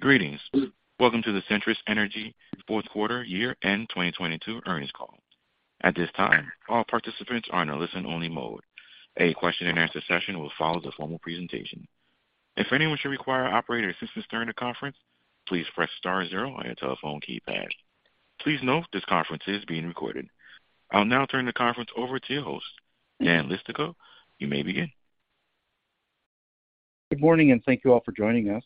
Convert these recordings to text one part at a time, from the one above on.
Greetings. Welcome to the Centrus Energy fourth quarter year-end 2022 earnings call. At this time, all participants are in a listen only mode. A question and answer session will follow the formal presentation. If anyone should require operator assistance during the conference, please press star zero on your telephone keypad. Please note this conference is being recorded. I'll now turn the conference over to your host, Dan Leistikow. You may begin. Good morning, thank you all for joining us.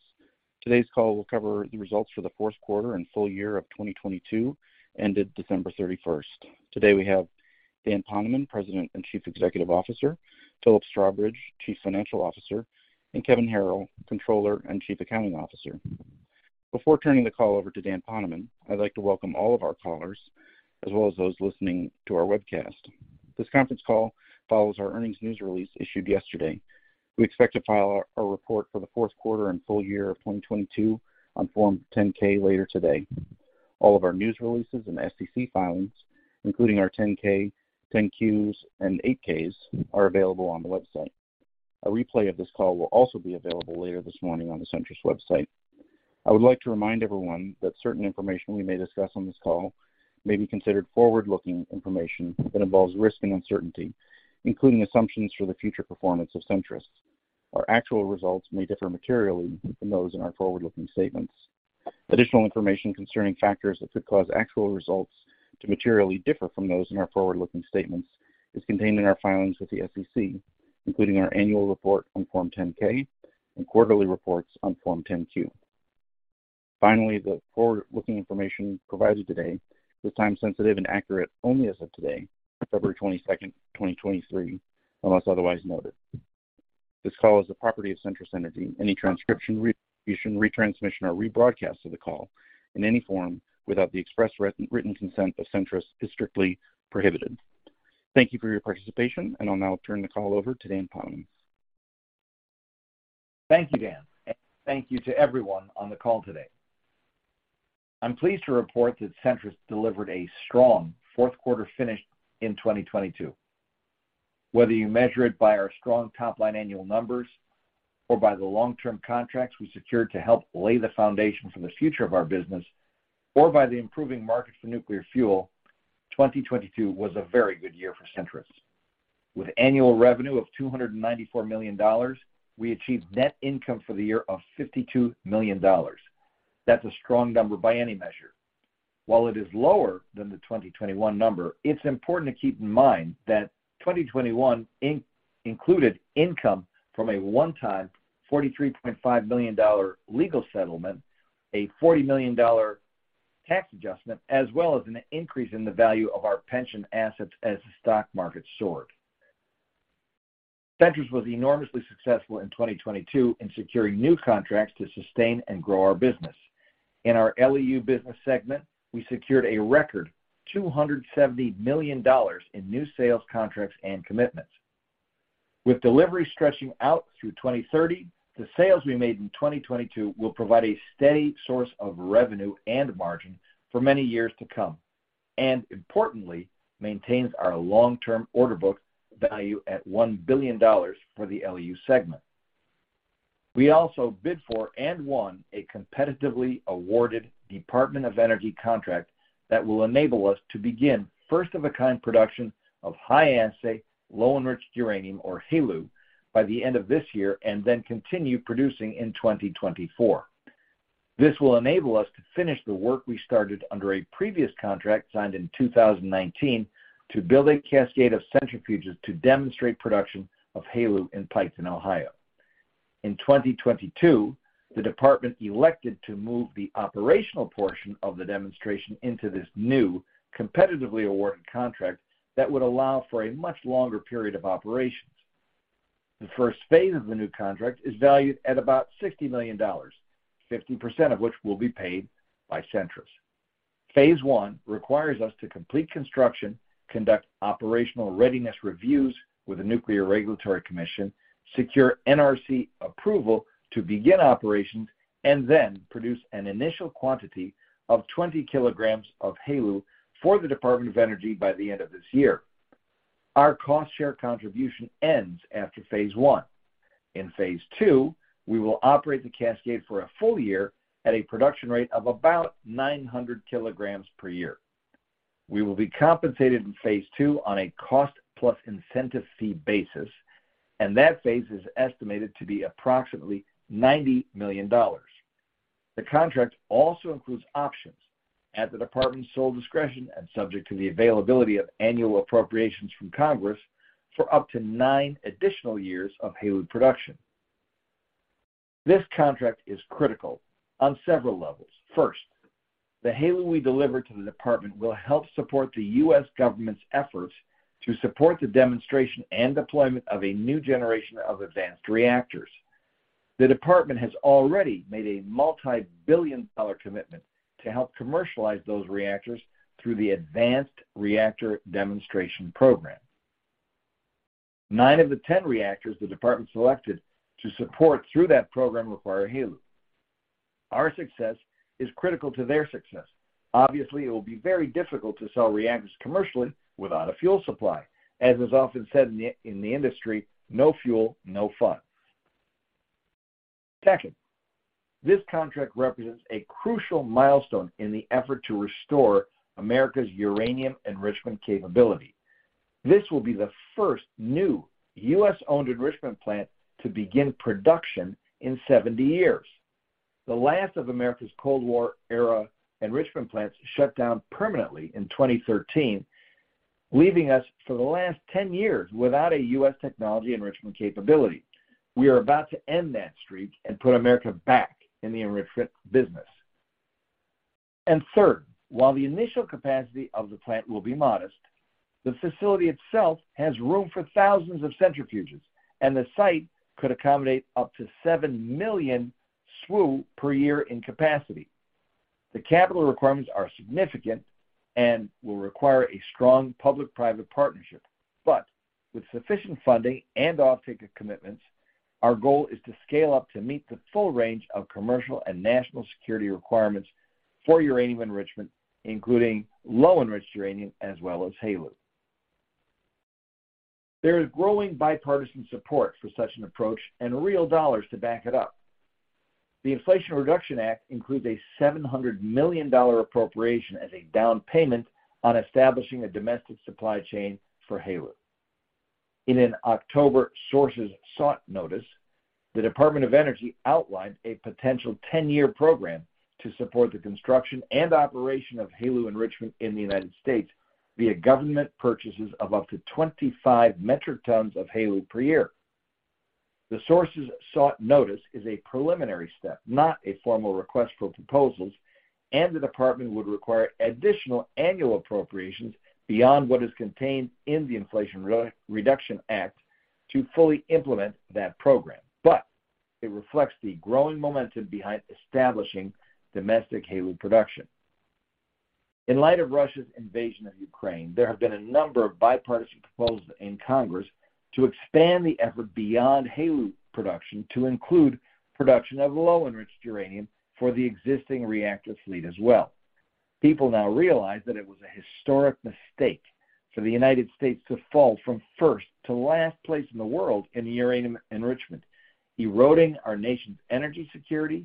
Today's call will cover the results for the fourth quarter and full year of 2022, ended December 31st. Today we have Dan Poneman, President and Chief Executive Officer, Philip Strawbridge, Chief Financial Officer, and Kevin Harrill, Controller and Chief Accounting Officer. Before turning the call over to Dan Poneman, I'd like to welcome all of our callers as well as those listening to our webcast. This conference call follows our earnings news release issued yesterday. We expect to file our report for the fourth quarter and full year of 2022 on Form 10-K later today. All of our news releases and SEC filings, including our 10-K, 10-Qs, and 8-Ks, are available on the website. A replay of this call will also be available later this morning on the Centrus website. I would like to remind everyone that certain information we may discuss on this call may be considered forward-looking information that involves risk and uncertainty, including assumptions for the future performance of Centrus. Our actual results may differ materially from those in our forward-looking statements. Additional information concerning factors that could cause actual results to materially differ from those in our forward-looking statements is contained in our filings with the SEC, including our annual report on Form 10-K and quarterly reports on Form 10-Q. The forward-looking information provided today is time sensitive and accurate only as of today, February 22nd, 2023, unless otherwise noted. This call is the property of Centrus Energy. Any transcription, redistribution, retransmission, or rebroadcast of the call in any form without the express written consent of Centrus is strictly prohibited. Thank you for your participation, and I'll now turn the call over to Dan Poneman. Thank you, Dan. Thank you to everyone on the call today. I'm pleased to report that Centrus delivered a strong fourth quarter finish in 2022. You measure it by our strong top-line annual numbers or by the long-term contracts we secured to help lay the foundation for the future of our business, or by the improving market for nuclear fuel, 2022 was a very good year for Centrus. With annual revenue of $294 million, we achieved net income for the year of $52 million. That's a strong number by any measure. While it is lower than the 2021 number, it's important to keep in mind that 2021 included income from a one-time $43.5 million legal settlement, a $40 million tax adjustment, as well as an increase in the value of our pension assets as the stock market soared. Centrus was enormously successful in 2022 in securing new contracts to sustain and grow our business. In our LEU business segment, we secured a record $270 million in new sales contracts and commitments. With delivery stretching out through 2030, the sales we made in 2022 will provide a steady source of revenue and margin for many years to come. Importantly, maintains our long term order book value at $1 billion for the LEU segment. We also bid for and won a competitively awarded Department of Energy contract that will enable us to begin first of a kind production of High-Assay, Low-Enriched Uranium, or HALEU, by the end of this year and then continue producing in 2024. This will enable us to finish the work we started under a previous contract signed in 2019 to build a cascade of centrifuges to demonstrate production of HALEU in Piketon, Ohio. In 2022, the department elected to move the operational portion of the demonstration into this new competitively awarded contract that would allow for a much longer period of operations. The phase I of the new contract is valued at about $60 million, 50% of which will be paid by Centrus. Phase I requires us to complete construction, conduct operational readiness reviews with the Nuclear Regulatory Commission, secure NRC approval to begin operations, and then produce an initial quantity of 20 kgs of HALEU for the Department of Energy by the end of this year. Our cost share contribution ends after phase I In phase II, we will operate the cascade for a full year at a production rate of about 900 kgs per year. We will be compensated in phase II on a cost-plus-incentive-fee basis, and that phase is estimated to be approximately $90 million. The contract also includes options at the department's sole discretion and subject to the availability of annual appropriations from Congress for up to nine additional years of HALEU production. This contract is critical on several levels. First, the HALEU we deliver to the Department will help support the U.S. government's efforts to support the demonstration and deployment of a new generation of advanced reactors. The Department has already made a multi-billion dollar commitment to help commercialize those reactors through the Advanced Reactor Demonstration Program. Nine of the 10 reactors the Department selected to support through that program require HALEU. Our success is critical to their success. Obviously, it will be very difficult to sell reactors commercially without a fuel supply. As is often said in the industry, no fuel, no fun. Second, this contract represents a crucial milestone in the effort to restore America's uranium enrichment capability. This will be the first new U.S.-owned enrichment plant to begin production in 70 years. The last of America's Cold War era enrichment plants shut down permanently in 2013, leaving us for the last 10 years without a U.S. technology enrichment capability. We are about to end that streak and put America back in the enrichment business. Third, while the initial capacity of the plant will be modest, the facility itself has room for thousands of centrifuges, and the site could accommodate up to 7 million SWU per year in capacity. The capital requirements are significant and will require a strong public-private partnership, but with sufficient funding and offtake commitments, our goal is to scale up to meet the full range of commercial and national security requirements for uranium enrichment, including low enriched uranium as well as HALEU. There is growing bipartisan support for such an approach and real dollars to back it up. The Inflation Reduction Act includes a $700 million appropriation as a down payment on establishing a domestic supply chain for HALEU. In an October sources sought notice, the Department of Energy outlined a potential 10-year program to support the construction and operation of HALEU enrichment in the United States via government purchases of up to 25 metric tons of HALEU per year. The sources sought notice is a preliminary step, not a formal request for proposals, and the department would require additional annual appropriations beyond what is contained in the Inflation Reduction Act to fully implement that program. It reflects the growing momentum behind establishing domestic HALEU production. In light of Russia's invasion of Ukraine, there have been a number of bipartisan proposals in Congress to expand the effort beyond HALEU production to include production of low enriched uranium for the existing reactor fleet as well. People now realize that it was a historic mistake for the U.S. to fall from first to last place in the world in uranium enrichment, eroding our nation's energy security,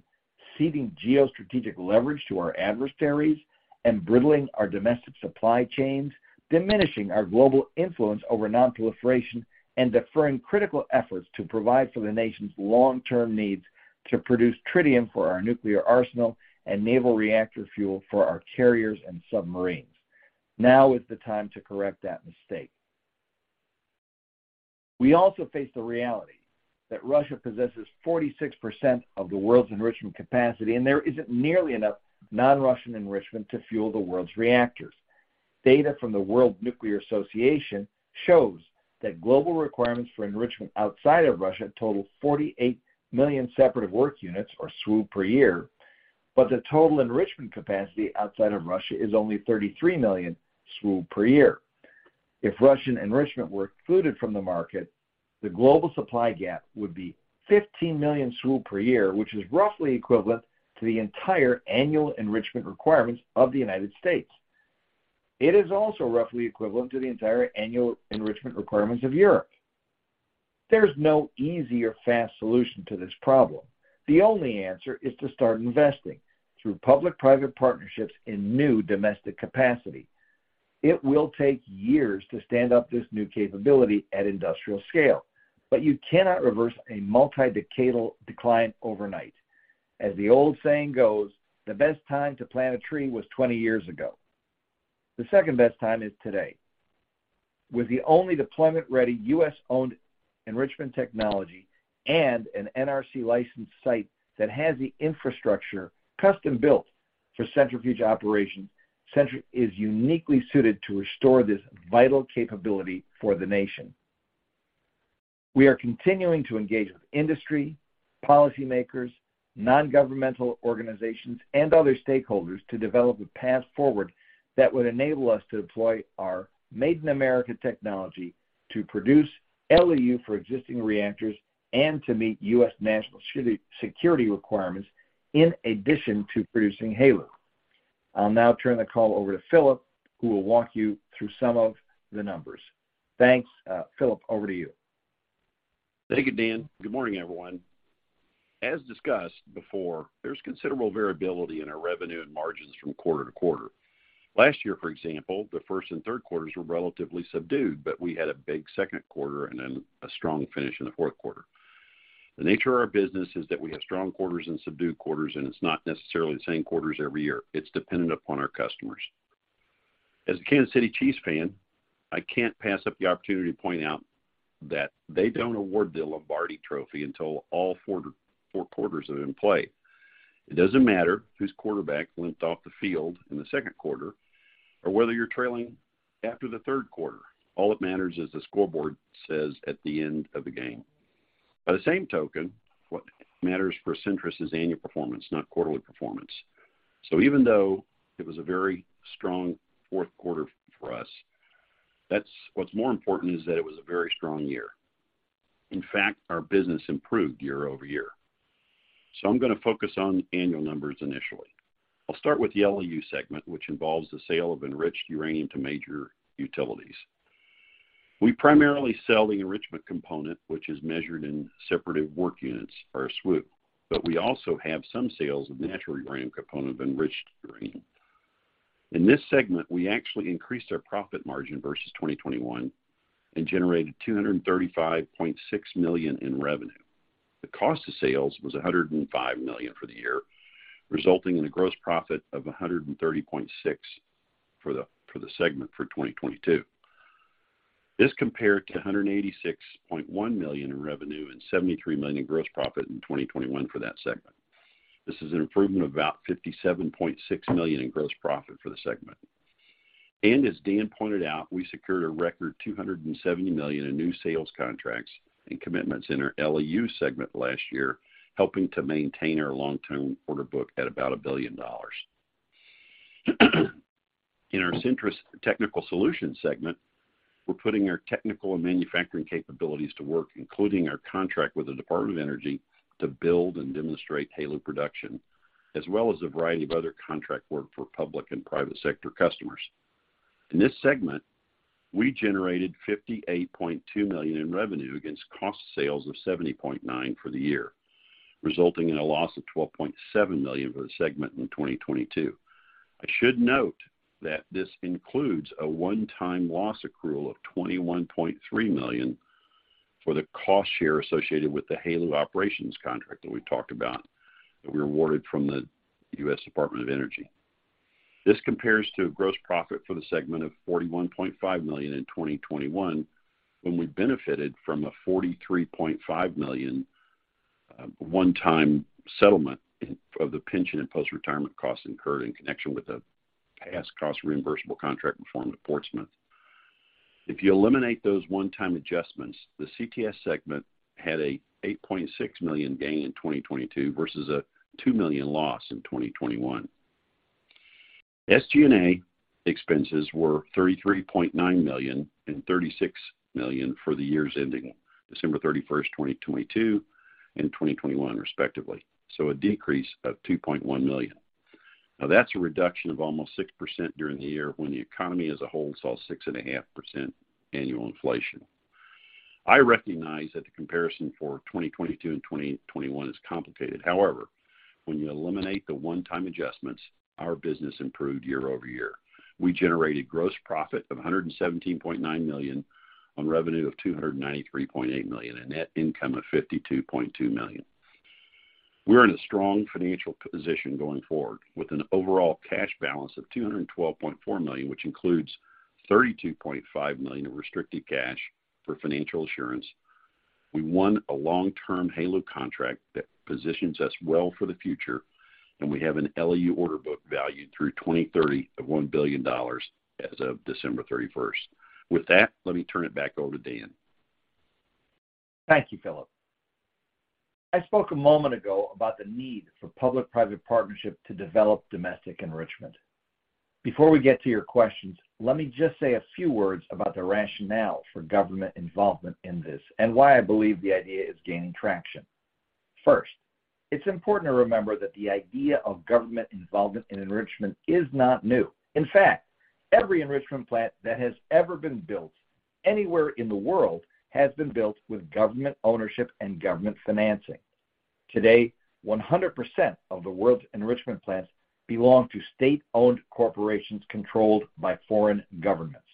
ceding geostrategic leverage to our adversaries, and brittling our domestic supply chains, diminishing our global influence over non-proliferation, and deferring critical efforts to provide for the nation's long-term needs to produce tritium for our nuclear arsenal and naval reactor fuel for our carriers and submarines. Now is the time to correct that mistake. We also face the reality that Russia possesses 46% of the world's enrichment capacity, and there isn't nearly enough non-Russian enrichment to fuel the world's reactors. Data from the World Nuclear Association shows that global requirements for enrichment outside of Russia total 48 million separative work units, or SWU per year. The total enrichment capacity outside of Russia is only 33 million SWU per year. If Russian enrichment were excluded from the market, the global supply gap would be 15 million SWU per year, which is roughly equivalent to the entire annual enrichment requirements of the United States. It is also roughly equivalent to the entire annual enrichment requirements of Europe. There's no easy or fast solution to this problem. The only answer is to start investing through public-private partnerships in new domestic capacity. It will take years to stand up this new capability at industrial scale, but you cannot reverse a multi-decadal decline overnight. As the old saying goes, the best time to plant a tree was 20 years ago. The second-best time is today. With the only deployment-ready U.S.-owned enrichment technology and an NRC-licensed site that has the infrastructure custom-built for centrifuge operations, Centrus is uniquely suited to restore this vital capability for the nation. We are continuing to engage with industry, policymakers, nongovernmental organizations, and other stakeholders to develop a path forward that would enable us to deploy our Made in America technology to produce LEU for existing reactors and to meet U.S. national security requirements in addition to producing HALEU. I'll now turn the call over to Philip, who will walk you through some of the numbers. Thanks. Philip, over to you. Thank you, Dan. Good morning, everyone. As discussed before, there's considerable variability in our revenue and margins from quarter to quarter. Last year, for example, the first and third quarters were relatively subdued, but we had a big second quarter and then a strong finish in the fourth quarter. The nature of our business is that we have strong quarters and subdued quarters, and it's not necessarily the same quarters every year. It's dependent upon our customers. As a Kansas City Chiefs fan, I can't pass up the opportunity to point out that they don't award the Lombardi Trophy until all four quarters have been played. It doesn't matter whose quarterback limped off the field in the second quarter or whether you're trailing after the third quarter. All that matters is the scoreboard says at the end of the game. By the same token, what matters for Centrus is annual performance, not quarterly performance. Even though it was a very strong fourth quarter for us, what's more important is that it was a very strong year. In fact, our business improved year-over-year. I'm gonna focus on annual numbers initially. I'll start with the LEU segment, which involves the sale of enriched uranium to major utilities. We primarily sell the enrichment component, which is measured in separative work units or SWU, but we also have some sales of natural uranium component of enriched uranium. In this segment, we actually increased our profit margin versus 2021 and generated $235.6 million in revenue. The cost of sales was $105 million for the year, resulting in a gross profit of $130.6 million for the segment for 2022. This compared to $186.1 million in revenue and $73 million in gross profit in 2021 for that segment. This is an improvement of about $57.6 million in gross profit for the segment. As Dan pointed out, we secured a record $270 million in new sales contracts and commitments in our LEU segment last year, helping to maintain our long-term order book at about $1 billion. In our Centrus Technical Solutions segment, we're putting our technical and manufacturing capabilities to work, including our contract with the Department of Energy to build and demonstrate HALEU production, as well as a variety of other contract work for public and private sector customers. In this segment, we generated $58.2 million in revenue against cost sales of $70.9 million for the year, resulting in a loss of $12.7 million for the segment in 2022. I should note that this includes a one-time loss accrual of $21.3 million for the cost share associated with the HALEU operations contract that we talked about that we were awarded from the U.S. Department of Energy. This compares to a gross profit for the segment of $41.5 million in 2021, when we benefited from a $43.5 million one-time settlement of the pension and post-retirement costs incurred in connection with a past cost reimbursable contract performed at Portsmouth. If you eliminate those one-time adjustments, the CTS segment had a $8.6 million gain in 2022 versus a $2 million loss in 2021. SG&A expenses were $33.9 million and $36 million for the years ending December 31st, 2022 and 2021 respectively, a decrease of $2.1 million. That's a reduction of almost 6% during the year when the economy as a whole saw 6.5% annual inflation. I recognize that the comparison for 2022 and 2021 is complicated. However, when you eliminate the one-time adjustments, our business improved year-over-year. We generated gross profit of $117.9 million on revenue of $293.8 million and net income of $52.2 million. We're in a strong financial position going forward with an overall cash balance of $212.4 million, which includes $32.5 million of restricted cash for financial assurance. We won a long-term HALEU contract that positions us well for the future, and we have an LEU order book valued through 2030 of $1 billion as of December 31st. With that, let me turn it back over to Dan. Thank you, Philip. I spoke a moment ago about the need for public-private partnership to develop domestic enrichment. Before we get to your questions, let me just say a few words about the rationale for government involvement in this and why I believe the idea is gaining traction. First, it's important to remember that the idea of government involvement in enrichment is not new. In fact, every enrichment plant that has ever been built anywhere in the world has been built with government ownership and government financing. Today, 100% of the world's enrichment plants belong to state-owned corporations controlled by foreign governments.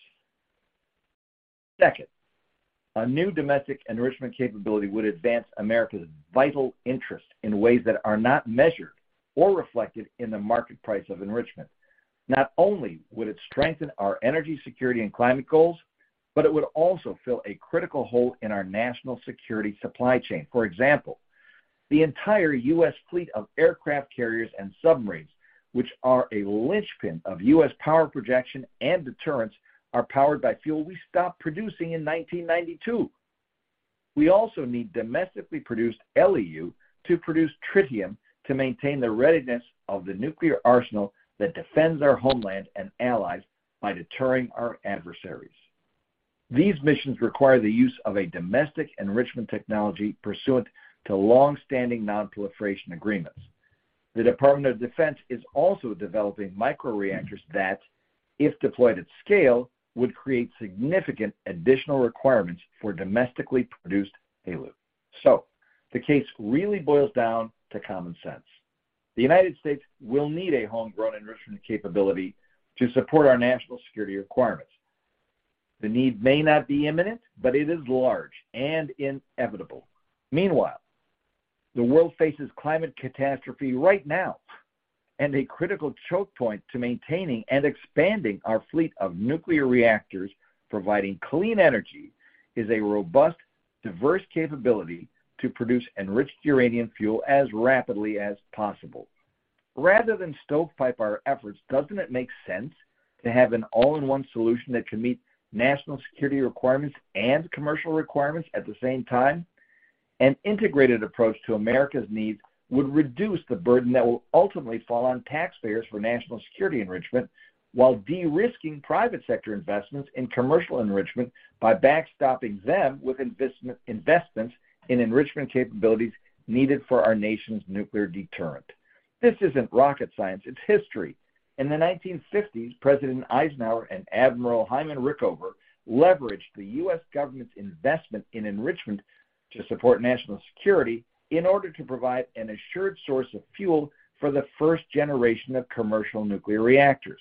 Second, a new domestic enrichment capability would advance America's vital interest in ways that are not measured or reflected in the market price of enrichment. Not only would it strengthen our energy security and climate goals, but it would also fill a critical hole in our national security supply chain. For example, the entire U.S. fleet of aircraft carriers and submarines, which are a linchpin of U.S. power projection and deterrence, are powered by fuel we stopped producing in 1992. We also need domestically produced LEU to produce tritium to maintain the readiness of the nuclear arsenal that defends our homeland and allies by deterring our adversaries. These missions require the use of a domestic enrichment technology pursuant to longstanding non-proliferation agreements. The Department of Defense is also developing microreactors that, if deployed at scale, would create significant additional requirements for domestically produced HALEU. The case really boils down to common sense. The United States will need a homegrown enrichment capability to support our national security requirements. The need may not be imminent, but it is large and inevitable. Meanwhile, the world faces climate catastrophe right now, a critical choke point to maintaining and expanding our fleet of nuclear reactors providing clean energy is a robust, diverse capability to produce enriched uranium fuel as rapidly as possible. Rather than stovepipe our efforts, doesn't it make sense to have an all-in-one solution that can meet national security requirements and commercial requirements at the same time? An integrated approach to America's needs would reduce the burden that will ultimately fall on taxpayers for national security enrichment, while de-risking private sector investments in commercial enrichment by backstopping them with investments in enrichment capabilities needed for our nation's nuclear deterrent. This isn't rocket science, it's history. In the 1950s, President Eisenhower and Admiral Hyman Rickover leveraged the U.S. government's investment in enrichment to support national security in order to provide an assured source of fuel for the first generation of commercial nuclear reactors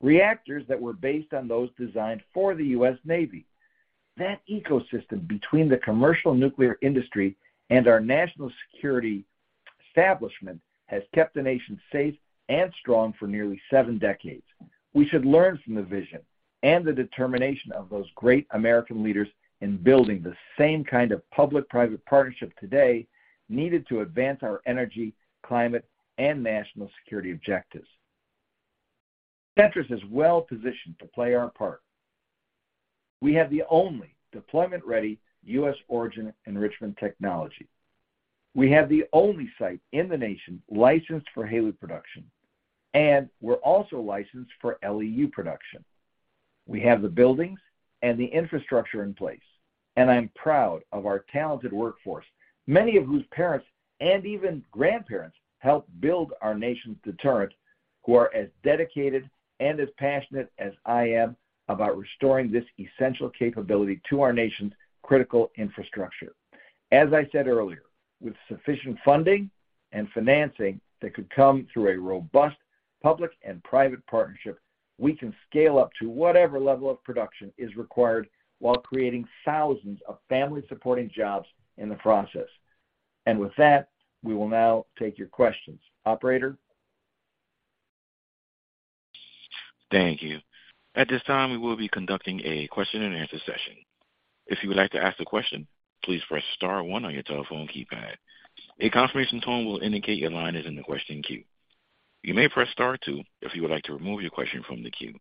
that were based on those designed for the U.S. Navy. That ecosystem between the commercial nuclear industry and our national security establishment has kept the nation safe and strong for nearly seven decades. We should learn from the vision and the determination of those great American leaders in building the same kind of public-private partnership today needed to advance our energy, climate, and national security objectives. Centrus is well positioned to play our part. We have the only deployment ready U.S. origin enrichment technology. We have the only site in the nation licensed for HALEU production, and we're also licensed for LEU production. We have the buildings and the infrastructure in place. I'm proud of our talented workforce, many of whose parents and even grandparents helped build our nation's deterrent, who are as dedicated and as passionate as I am about restoring this essential capability to our nation's critical infrastructure. As I said earlier, with sufficient funding and financing that could come through a robust public and private partnership, we can scale up to whatever level of production is required while creating thousands of family supporting jobs in the process. With that, we will now take your questions. Operator? Thank you. At this time, we will be conducting a question and answer session. If you would like to ask a question, please press star one on your telephone keypad. A confirmation tone will indicate your line is in the question queue. You may press star two if you would like to remove your question from the queue.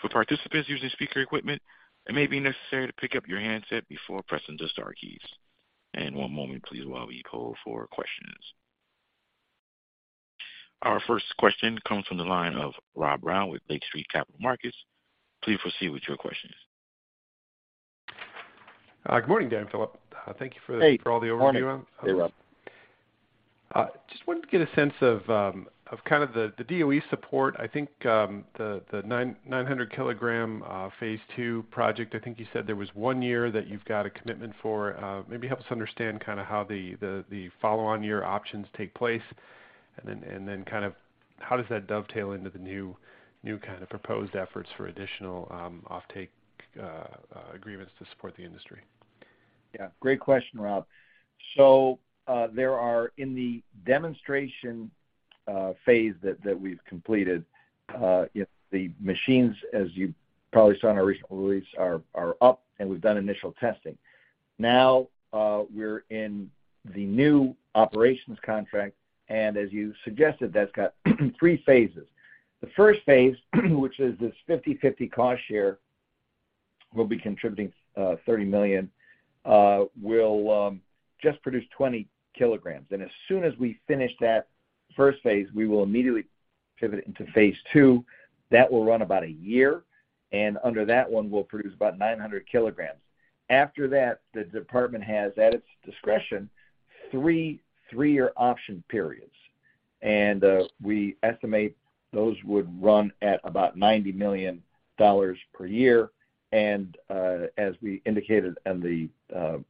For participants using speaker equipment, it may be necessary to pick up your handset before pressing the star keys. One moment please while we call for questions. Our first question comes from the line of Rob Brown with Lake Street Capital Markets. Please proceed with your questions. Good morning, Dan Philip. Thank you for all the overview. Hey, morning. Hey, Rob. Just wanted to get a sense of kind of the DOE support. I think the 900 kg phase II project, I think you said there was one year that you've got a commitment for. Maybe help us understand kind of how the follow on year options take place and then kind of how does that dovetail into the new kind of proposed efforts for additional offtake agreements to support the industry? Great question, Rob. There are in the demonstration phase that we've completed, the machines, as you probably saw in our recent release, are up and we've done initial testing. Now, we're in the new operations contract and as you suggested, that's got three phases. The phase, I which is this 50/50 cost share, we'll be contributing $30 million, we'll just produce 20 kg. As soon as we finish that phase I, we will immediately pivot into phase I. That will run about a year, and under that one we'll produce about 900 kgs. After that, the Department has, at its discretion, three three year option periods. We estimate those would run at about $90 million per year. As we indicated in the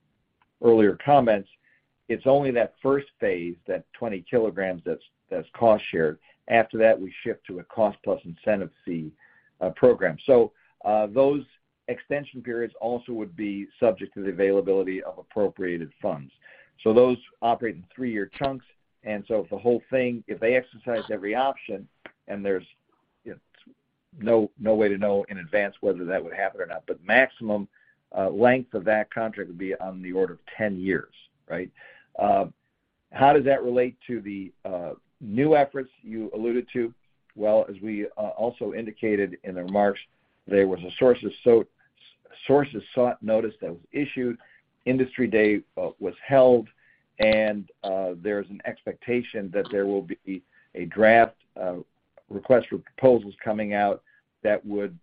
earlier comments, it's only that phase I, that 20 kgs that's cost shared. After that, we ship to a cost-plus-incentive-fee program. Those extension periods also would be subject to the availability of appropriated funds. Those operate in three year chunks. The whole thing, if they exercise every option and there's no way to know in advance whether that would happen or not, but maximum length of that contract would be on the order of 10 years, right? How does that relate to the new efforts you alluded to? Well, as we also indicated in the remarks, there was a sources sought notice that was issued, industry day was held, there's an expectation that there will be a draft request for proposals coming out that would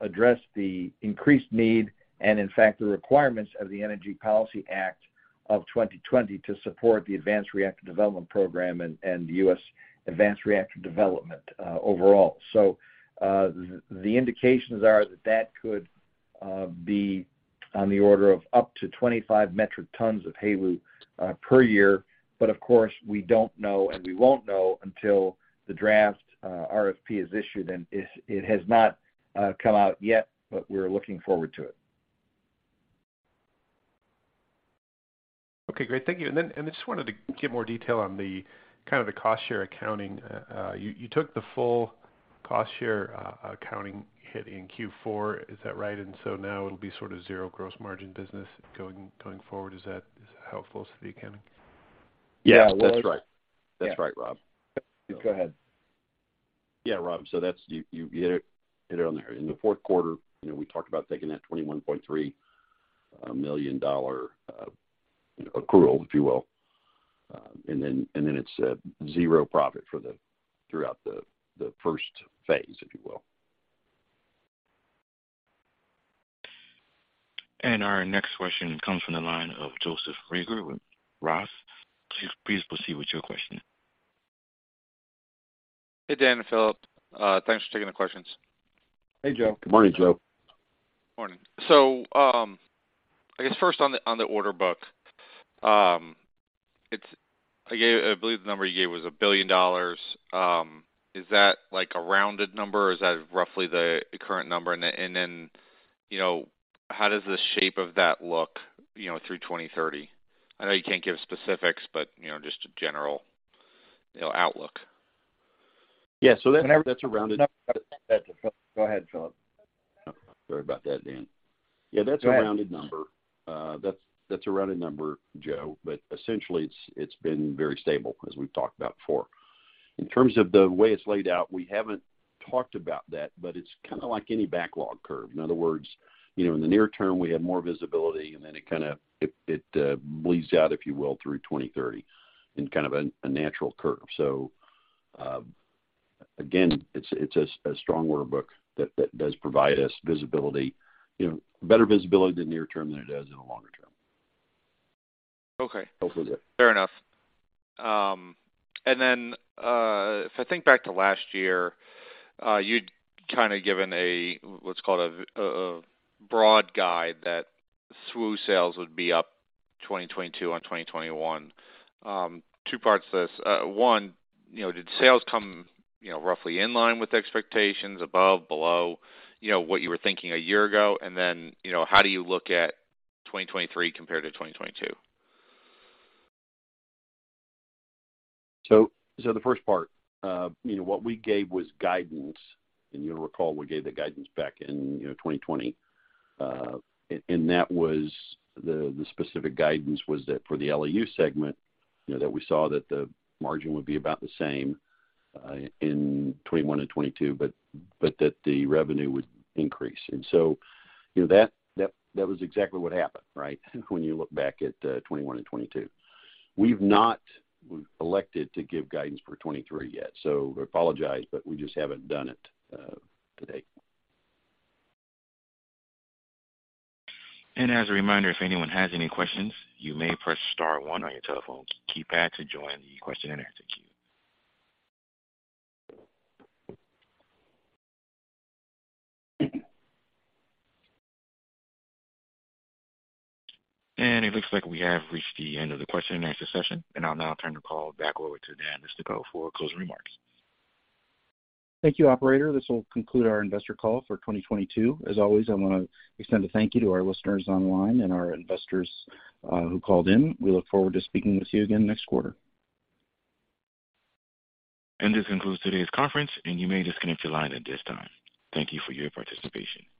address the increased need and in fact, the requirements of the Energy Policy Act of 2020 to support the Advanced Reactor Demonstration Program and U.S. advanced reactor development overall. The indications are that that could be on the order of up to 25 metric tons of HALEU per year. Of course, we don't know and we won't know until the draft RFP is issued. It has not come out yet, but we're looking forward to it. Okay, great. Thank you. I just wanted to get more detail on the kind of the cost share accounting. You took the full cost share accounting hit in Q4, is that right? Now it'll be sort of zero gross margin business going forward. Is that helpful as to the accounting? Yeah, that's right. That's right, Rob. Go ahead. Rob, that's. You hit it on the head. In the fourth quarter, you know, we talked about taking that $21.3 million accrual, if you will. Then it's zero profit throughout the phase I, if you will. Our next question comes from the line of Joseph Reagor with Roth. Please proceed with your question. Hey, Dan and Philip. Thanks for taking the questions. Hey, Joe. Good morning, Joe. Morning. I guess first on the, on the order book. I believe the number you gave was $1 billion. Is that like a rounded number or is that roughly the current number? Then, and then, you know, how does the shape of that look, you know, through 2030? I know you can't give specifics, but, you know, just a general, you know, outlook. Yeah. That's a. Go ahead, Philip. Sorry about that, Dan. Yeah, that's a rounded number. That's a rounded number, Joe. Essentially, it's been very stable as we've talked about before. In terms of the way it's laid out, we haven't talked about that, but it's kinda like any backlog curve. In other words, you know, in the near term, we have more visibility, and then it bleeds out, if you will, through 2030 in kind of a natural curve. Again, it's a strong order book that does provide us visibility, you know, better visibility in the near term than it does in the longer term. Okay. Hope that was it. Fair enough. If I think back to last year, you'd kinda given a, what's called a, a broad guide that SWU sales would be up 2022 on 2021. Two parts to this. One, you know, did sales come, you know, roughly in line with expectations, above, below, you know, what you were thinking a year ago? Then, you know, how do you look at 2023 compared to 2022? The first part, you know, what we gave was guidance. You'll recall we gave the guidance back in, you know, 2020. That was the specific guidance that for the LEU segment, you know, that we saw that the margin would be about the same in 2021 and 2022, but that the revenue would increase. You know, that was exactly what happened, right? When you look back at 2021 and 2022. We've not elected to give guidance for 2023 yet, so I apologize, but we just haven't done it to date. As a reminder, if anyone has any questions, you may press star 1 on your telephone keypad to join the question and answer queue. It looks like we have reached the end of the question and answer session. I'll now turn the call back over to Dan Leistikow for closing remarks. Thank you, operator. This will conclude our investor call for 2022. As always, I wanna extend a thank you to our listeners online and our investors who called in. We look forward to speaking with you again next quarter. This concludes today's conference, and you may disconnect your line at this time. Thank you for your participation.